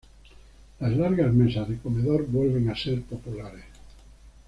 Las largas mesas de comedor vuelven a ser populares.